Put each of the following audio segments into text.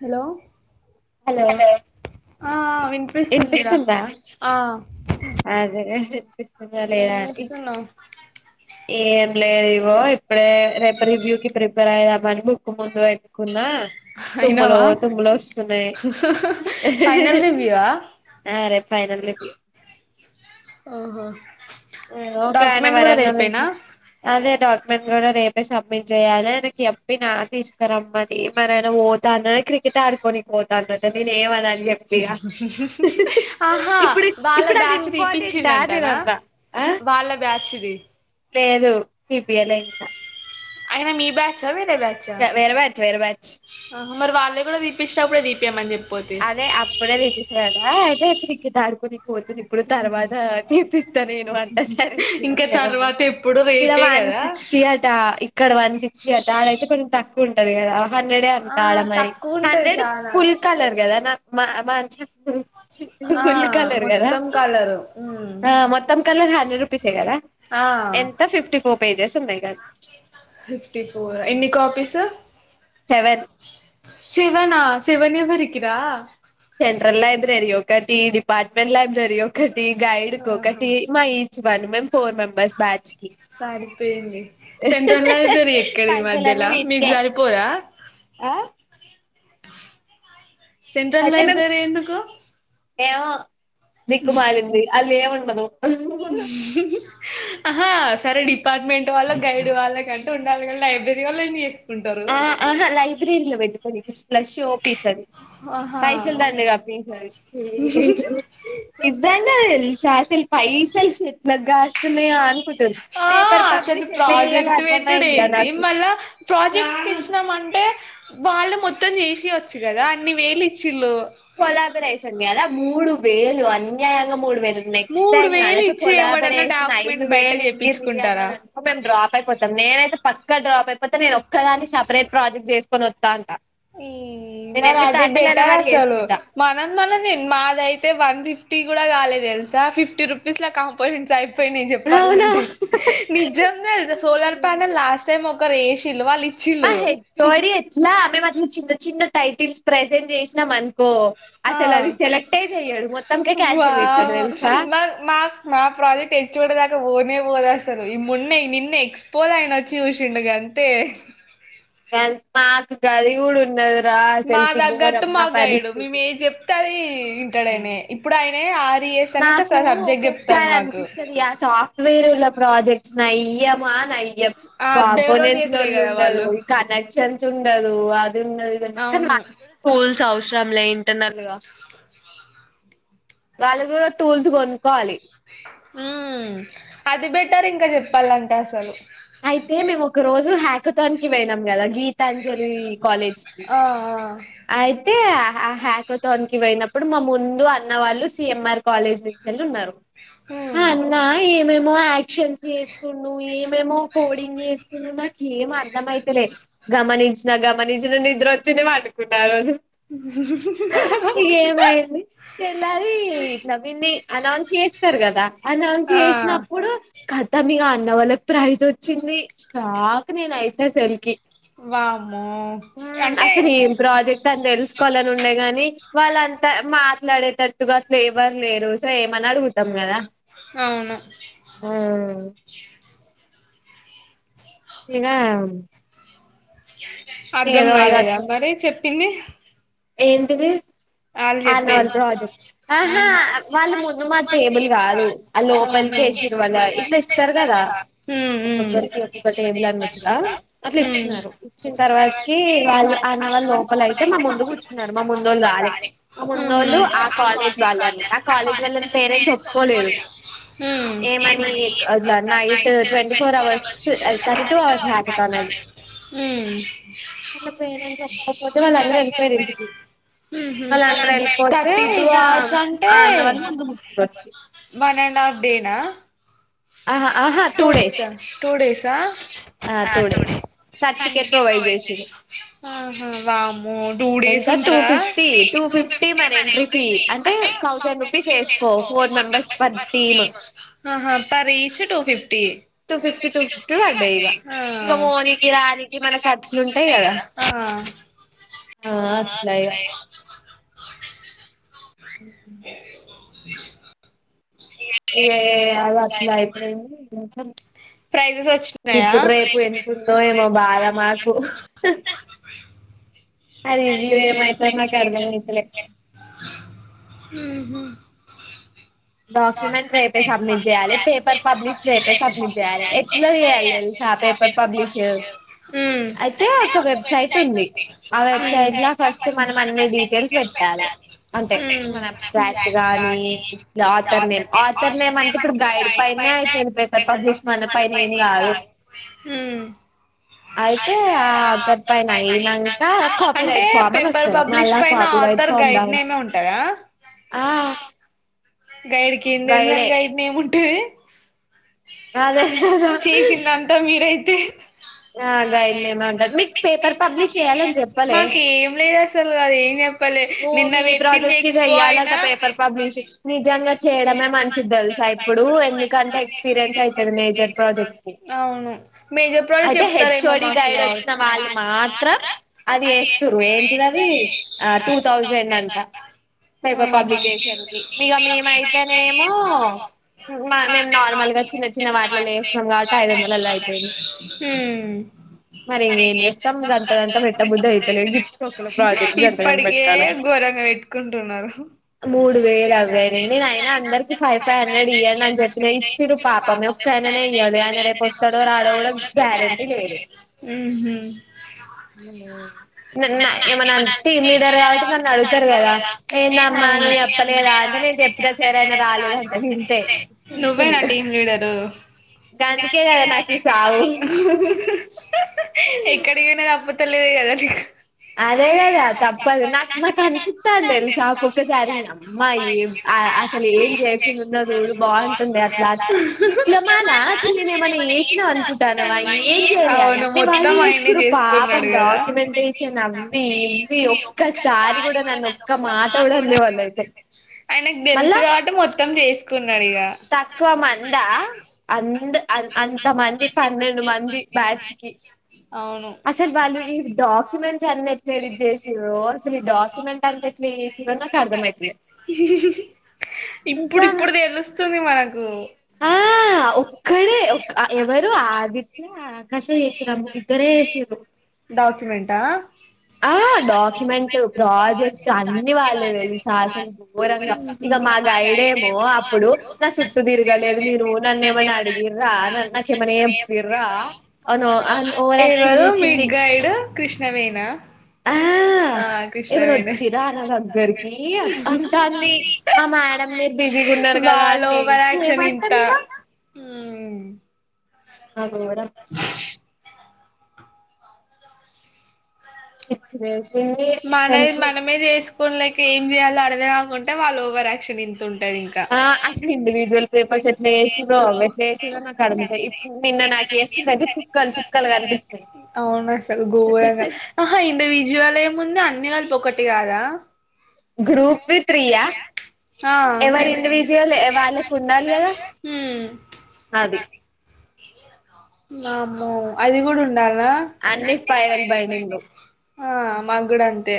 Hello hello ఆ వినిపిస్తుందిరా ఇనిపిస్తుందా ఆ అదే పిస్తున్నా లేదా అండి వస్తున్నావు ఏం లేదు ఇగో ఇప్పుడే ర రివ్యూ కి ప్రిపేర్ అయిదామని బుక్ ముందు పెక్కుందా తుమ్మలో అయినావా తుమ్మలో వస్తున్నాయి ఫైనల్ రివ్యూవా ఆ రే ఫైనల్ ఈయర్ది ఓహో ఓకే ఆయన డాక్యుమెంట్ కూడా వరంగల్ రేపేనా నుంచొస్తూ అదే డాక్యుమెంట్ కూడా రేపే సబ్మిట్ చేయాలి ఆయనకి చెప్పి నా తీసుకురమ్మని మరి ఆయన పోతాన్న క్రికెట్ ఆడుకోని పోతాన్న నేను ఏమనీ ఆహా ఇప్పుడు వాళ్ళ ఇప్పుడు అది బ్యాచ్ ఇంపార్టెంటా అని నేను తీపీచ్చిండంటనా అన్నా వాళ్ళ బ్యాచ్ది లేదు తిపియలేదు ఇంకా ఆయనా మీ బ్యాచ్చ వే వేర బ్యాచ్ వేరే బ్యాచ్ ఆహా మరి వాళ్ళే కూడా తీపిచ్చినప్పుడే తీపియ్యమని చెప్ అదే అప్పుడే తిపిస్తాడట అయి తే క్రికెట్ ఆడుకొని పోతుంది ఇప్పుడు తర్వాత తిపిస్తా నేను అంతా సరే తీ అని ఇంకా నేనన్నా తర్వాత ఎప్పుడు ఇక్కడ రేపే వన్ కదా సిక్స్టీ అట ఇక్కడ వన్ సిక్స్టీ అట ఆడైతే కొంచెం తక్ క్కువుంటది గదా హండ్రెడే ఆ అంట ఆడమరి తక్కువ ఉంటది హండ్రెడ్ చాలా ఫుల్ కలర్ దా మా మాంచ్ ఆ మొత్తం కలరు ఆ మొత్తం కలరా హ చేయాల ఆ ఎంత ఫిఫ్టీ ఫోర్ పేజెస్ ఉన్నాయిగా ఫిఫ్టీ ఫోర్ ఎన్ని కాపీస్ సెవెన్ శివనా శివనెవరికిరా సెంట్రల్ లైబ్రరీ ఒకటి డిపార్ట్మెంట్ లైబ్రర్ రీ ఒకటి గైడ్ కోకటి మా వన్ మేమ్ ఫోర్ మెంబర్స్ బ్యాచ్ కి సరిపోయింది సెంట్రల్ అయిపోయిన ఎక్కడి పైసలన్నీ మధ్యలో మీకు వీటికే సరిపోదా ఆ సెంట్రల్ అయితే మేము లైబ్రరీ ఎందుకు ఏమో దిక్కు మాలింది ఆల్లు ఏమన్ కున్నదో ఆహా సరే డిపార్ట్మెంట్ వాళ్ళ గైడ్ వాళ్ళ కంటే ఉండాలి కదా లైబ్రరీ వాల్ ఏమి చేస్ ఆ ఆహా లైబ్రీరీలో పెట్టుకొని శ్లష్ ఓపిసది. ఆహా పైసలు దండగ. [unintelligible] నిజంగా దేల్సా అసల్ పైసలు చెట్లక్ గస్త్. తున్నయాన్. ఆ అసలు ప్రాజెక్ట్ వేట్టుడ్ అర్థమైందిరా ఏందీ, నాకు మళ్ళా ప్రాజెక్ట్. [unintelligible] సినమ్ అంటే వాళ్ళు మొత్తం చేసేయోచ్చు కదా, అన్ని వేలు ఇచ్చిళ్ళు. కొలాబరేషన్. [unintelligible] మూడు. వేలు అన్యాయంగా మూడు వేలు, నెక్స్ట్ మూడు టైమ్ వేలు గనక ఇచ్చి ఎవడన్నా కొలాబరేషన్ ఐదు డాక్యుమెంట్ బయట వేలు ఇయ్యుండ్రి చేపించుకుంటారా అన్నాడనుకో, మేమ్ డ్రాప్ అయిపోతాం. నేనైత్ పక్క డ్రాప్ అయిపోతా నేను. కానీ సపరేట్ ప్రాజెక్ట్ జేసుకొనచ్. తంటా. ఈ, మరి అది బెటర్ పడి అసలు. చేసుకుంటా [unintelligible] మనం, మనద్ మనదిన్, మాదయితే వన్ ఫిఫ్టీ కూడ్. ఇంకా కాలే తెల్సా. ఫిఫ్టీ రూపీస్ లా కాంపోనేన్స్ అయిప్. పోయినై అవునా జేప్పాలంటే. నిజం దేల్స సోలార్ పానల్ లాస్ట్ టైమ్ ఒక్. ఓకర్ ఏషిల్లు వాళ్లి. ఆ హేచ్ ఓ డి ఎట్లా, మేం అట్లా చిన్. చిన్న, చిన్న టైటిల్స్ ప్రెజెంట్ జేసినమ్ అంత్. హా మొత్తంకే క్యాన్సిల్ చేస్తాడు వావ్, తెలుసా మాక్ మాక్ మా ప్రాజెక్ట్ హేచ్ ఓ డీ దగ్. ఇక పోనే పోదసలు. ఈ మొన్నై, నిన్న ఎక్స్పోజ్ అయిన ఓచ్చి చూసిండు గంతే. గంత్, మాకు గది గూడా ఉండదు. మా తగ్గట్టు మా గైడు. మేము ఏం జేప్తే అది ఇంటడైనే. ఇప్పుడ్ ఆయన్. ఏ ఆద్. నాకు ఒక్కొక్కసారి అనిపిస్తది, ఆ సాఫ్ట్వేర్ల ప్రాజెక్ట్స్ నయ్యం. మానై. యం. ఆ డెవలప్ కాంపోనెంట్స్ చేసుడే కదా లోల్లుండదు, వాళ్ళు ఈ కనెక్షన్ చుండదు అద్. ఉన్నది [unintelligible] అవును మాక్ పోల్. చౌశ్రమ్లేన్. ట్టనల్గా. వాళ్ళు గూడా టూల్స్ గోనుక్కోవాలి. ఉమ్మ్, అది బెటర్ ఇంకా జేప్పాలంటే అసలు. అయితే మేమ్ ఒక రోజు హక్. కుతన్కి పోయినాం గద. [unintelligible] గీతాంజలి కాలేజ్కి. ఆ ఆ అయితే హ్యాకథాన్ క పోయినప్పుడు మా ముందు అన్న వాళ్ళు సిఎంఆర్ కాలేజ్ నుంచి వెళ్ళి ఉన్నారు ఉమ్ అన్నా ఏమేం మ క్షన్ చేస్తు ఏమేమో కోడింగ్ చేస్తు నాకు ఏం అర్ధమయితలే గమనించిన మనీజ నిద్ర వచ్చేనే వాటి కుట్ట రోజు ఇకేమయింది తెల్లాలి ఇట్లా మీన్ని అనౌన్స్ చేస్తారు కదా అనౌన్స్ ఆ చేసినప్పుడు కథ మీకు అన్న వాళ్ళకి ప్రైజ్ వచ్చింది షాక్ నేను అయితే సెల్ కి వాము అంటే అసలు ఏం ప్రాజెక్ట్ అంతే తీసుుకోవాలని ఉండే గాని వాళ్ళంతా మాట్లాడేటట్టుగా అట్లు ఎవర్ లేరు సో ఏమని అడుగుతాం కదా అవునా మ్మ్ ఏనా అ అర్ధం కాలేదా మర చెప్ పన్న ఏంటది వాళ్ళు చెప్పేదిళ్ళద్మ ఆహా వాళ్ళు ముందు మా టేబుల్ ఏదువా కాదు ఆ లోపలికి ఏసిర్రు వాళ్ళ ఇట్లా ఇస్తారు కదా ఒక్కొక్కరికి ఒక్కొక్క టేబుల్ అన్నట్టుగా అట్లా ఇచ్చినారు ఇచ్చిన తర్వా తర్వాతకి ఆన్నవారి లోపల అయితే మా పద్ నర్మ ముందు వంద ఆలి వాళ్లు ఆ కాలేజ్ అన్నమాట ఆ కాలేజ్ వాళ్లే వాళ్ళని పేరెంట్స్ పేరెంట్ ఒప్పుకోలేదు ఏమని night twenty four hours thirty two hours అ హ్యాకథాన్ అది స్ంలేదు అట్లా వెళ్ళిపో అలా వెళ్ళిపోతే థర్టీ టూ ఇక అవర్స్ అంటే ఆ అన్న వాళ్ళ ముందు ముచ్చుొచ్చు వ ఆహా ఆహా టూ డేస్ స ఆ టూ డేస్ సర్టిఫికేట్ ప్రొవైడ్ చేసిరు ఎంత టూ ఫిఫ్టీ టూ ఫిఫ్టీ మరి ఎంట్రీ ఫీ అంటే థౌజండ్ రూపీస్ వేసుకో ఫోర్ మెంబర్స్ పర్ టీమ్ డ ఆహా ప చ్చ టోఫిల్ ఫఫ్ టూ ఫ ఫిఫ్టీ టూ ఫిఫ్టీ ఫో పడ్డాయి ఇక ఇక పోనీకి రా రానికి మన ఖర్చులు ఉంటాయి కదా ఆ అట్లా ఇక ఉంటాయి కదా ఏయ అది అట్లాయి ఏ ప్రైసెస్ వచ్చినాయా ఎంతుందో ఏమో బాధ మాకు ఆ రివ్యూ ఏమైతదో నాకు అర్థమైతలే ఉమ్మ్ డాక్యుమెంట్ రేపే సబ్మిట్ చేయాలే పేపర్ పబ్లిష్ రేపే సబ్మిట్ సబ్మిట్ చేయాలి ఎట్లా చేయాలి తెలుసా ఆ పేపర్ పబ్లిష్ అయితే ఒక వెబ్సైట్ ఉంది ఆ వెబ్సైట్ లా ఫస్ట్ మనం అన్ని డీటెయిల్స్ పెట్టాలి అంతే ఉమ్ మన అబ్స్ట్రాక్ట్ గాని ఆతర్ నేమ్ ఆతర్ నేమ్ అంటే ఇప్పుడు గైడ్ పైనే అయితది పెత్త మ్మ్ అయితే ఆ ఆథర్ పైన అయినంక కాపీ అంటే రైట్ ఫామ్ అని పేపర్ వస్తది పబ్లిష్ మళ్ళా పైన copy right author form guide down నేమే ఉంటదా ఆ గైడ్ గేమ్ తెలుసా అని గైడే గైడ్ నేమ్ ఉ అ అదే ద ఆ గైడ్ నేమే ఉంటది మీకు పేపర్ పబ్లిష్ చేయాలని చెప్పలే మాకు ఏం లేదు అసలు అది ఏం చెప్పలే ఓ నిన్న మినీ పెట్టింది ప్రాజెక్ట్ కి ఎక్స్పో చెయ్యాలట అయినా పేపర్ పబ్లిష్ నిజంగా చేయడమే మంచిది తెలుసా ఇప్పుడు ఎందుకంటే ఎక్స్పీరియన్స్ అయితది మేజర్ ప్రాజెక్ట్ కి అవును మేజర్ ప్రా అయితే హెచ్ఓడి గైడ్ వచ్చిన వాళ్ళు మాత్రం అది ఏస్తారు ఏంటిది అది టూ థౌజండ్ అంట పేపర్ పబ్లికేషన్ కి మీ మేమయితేనేమో మా మేము నార్మల్ గా చిన్న చిన్న వాటిలల్ల చేస్తాం కాబట్టి ఐదు వందలల్లో అయిపోయింది మరి ఇంకేం చేస్తాం గంతగంత పెట్టబుద్ధి అయితలేదు గిఫ్ట్ ఒక్కల ప్రాజెక్ట్ గంతగనం ఇప్పటికే పెట్టాలా ఘోరంగా పెట్టుకుంటున్నారు ఏంటిదైనా అందరికి ఫైవ్ ఫైవ్ హండ్రెడ్ ఇయ్యండి అని చెప్పిరు ఇచ్చిరు పాపం ఒక్క ఆయననే ఇయ్యాలే ఆయన రేపు వస్తాడో రాడో కూడా తే గ్యారెంటీ లేదు ఉహు నేను అన్న ఎమన్నా అంటే టీమ్ లీడర్ కాబట్టి దాని అడుగుతారు కదా ఎందమ్మా నువ్ చెప్పలేదా అంటే చెప్పినా సరే అయన రాలేదంటది ఇంతే నువ్వే సింపుల్ నా టీమ్ లీడరు గందుకే గాదా నాకు ఈ సావు ఎక్కడికి పోయినా తప్పదు తెలియదు కదా నీక్ అదే కదా తప్పదు నాకు నాకు అనిపిస్తాంది తెలుసా ఒక్కొక్కసారి నీ అమ్మ అది అసలు ఏం చేయకుండా ఉన్నా చూడు బాగుంటుందే అట్లా డిప్లొమాల అసలు నేను ఏమన్నా చేసినావు అనుకుంటానువా ఏం చేయాలే అవును అన్ని మొత్తం వాళ్లే ఆయనే చేసుకురు పాపం చేసుకున్నాడు కదా డాక్యుమెంటేషన్ అవి ఇవి ఒక్కసారి కూడా నన్ను ఒక్క మాట కూడా అన్లేవాళ్ళు అయితే నీకు తెలుసు మళ్ళా కావట్టి మొత్తం చేసుకుండు తక్కువ మంద అంద అ అంత మంది పన్నెండు మంది బ్యాచ్ కి అవును అసలు వాళ్ళు ఈ డాక్యుమెంట్స్ అన్ని ఎట్లా ఎడిట్ చేసింరో అసలు ఈ డాక్యుమెంట్ అంత ఎట్లా చేసింరో నాకు అర్థమయితలే నిజ రో ఒక్కడే ఎవరు ఆదిత్య ఆకాష్ ఏ చేషిసారు ఇద్దరే చేసింన్రు డాక్యుమెంటా ఆ డాక్యుమెంటు ప్రాజెక్ట్ అన్ని వాళ్ళే తెలుసా అసలు ఘోరంగా ఇక మా గైడేమో అప్పుడు చుట్టూ దిరగలేదు మీరు వోనర్ ని ఏమన్నా అడిగిర్ర నాకేమన్నా ఏం బిర్రా అను అ ఓవరాక్షన్ ఎవరు మీ చేసింది గైడ్ కృష్ణవేనా ఆ ఆ ఏవరు కృష్ణవేణి వచ్చిన్రా నా దగ్గరికి అంటాంది ఆ మాడం మీరు బిజీగా ఉన్నారు కదా అ ఓవరాక్షన్ ఇంత ఉమ్ ఊహ్మ్ నా గోరం పిచ్చి లేస్ మనవి మనమే జేస్ కు [unintelligible] ఇంకేం చేయలో అర్థం కాకుంటే వాళ్ల ఓవరక్షన్ ఇం తుంటది ఇంక ఆ అసలు ఇండివిజువల్ పేపర్స్ ఎట్లా చేసిరో అవి ఎట్లా చేసిరో నాకు అర్థం కాలే ఇప్పుడు నిన్న నాకు చేసిందయితే చుక్కలు చుక్కలు కనిపించినాయి అవును అసలు ఘోరంగా అహా ఇండివిజువల్ గ అన్ని గలిపి ఒక్కటి గాదా గ్రూప్ కి త్రియ ఆ ఎవరి ఇండివిజువల్ వాళ్ళకి ఉండాలి గదా హ్మ్ అది వామ్మో అది గుడా ఉండాల అన్ని స్పైరల్ బైడింగు ఆ మాగ్గూడ అంతే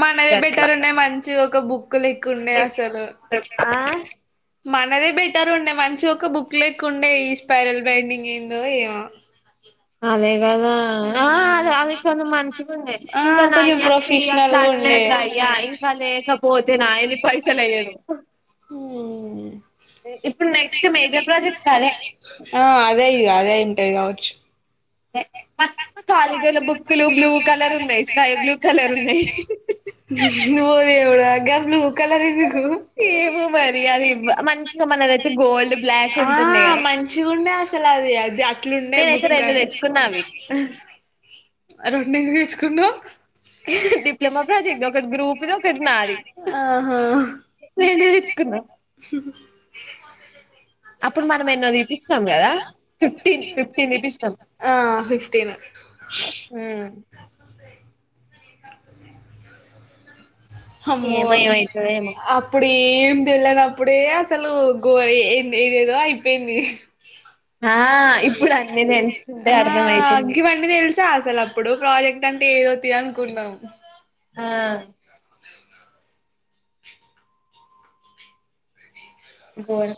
మనది గట్లా బెటర్ ఉండే మన్ చ్చి ఒక బుక్ [unintelligible] ఉండే అసలు ఆ మనదే బెటర్ ఉండే మంచి ఒక బుక్ లేక్కు ఉండే ఈ స్పైరల్ బైండింగ్ ఏందో ఏమో అదే కదా ఆ అదే అది మంచిగ ఉండే ఇంక [unintelligible] ఇప్పుడు నాయని పైసలు అయ్యేదు ఇప్పుడు మేజర్ నెక్స్ట్ ప్రాజెక్ట్ అదే అదే అదే ఇగ అదే వుంటది కావొచ్చు [unintelligible] కాలేజీల బుక్లు బ్లూ కలర్ ఉన్నాయి స్కై బ్లూ కలర్ ఉన్నాయ్ ఓ దేవుడా గా బ్లూ కలర్ ఎందుకు కుహు మో మరి అది ఇవ మంచి మన ద ఆ మంచిగుండే అసలు అది అది అట్లుండే నేనైతే బుక్ రెండు అంట తెచ్చుకున్నా అవి రెండు ఎందుకు తెచ్చుకున్నవ్ డిప్లొమా ప్రాజెక్ట్ ఒకటి గ్రూప్ ది ఒకటి నాది ఆహా నే దెచ్చుకున్నా అప్పుడు మనం ఎన్నో థీపిచిన్నం కదా ఫిఫ్టీన్ ఫిఫ్టీన్ తీపిచ్చినం ఆ ఫిఫ్టీన్ ఆ ఏ ఏమయమయితేదో ఏమో ఏమ్ తెళ్లినప్పుడే అసలు గోర ఏదేదో అయిపోయింది ఆ ఇప్పుడు అన్ని తెలుుకుంటే అర్థం అవుతుంది త అసలు అప్పుడు ప్రాజెక్ట్ అంటే ఏదో థీ అనుకున్నాం ఆ గోన్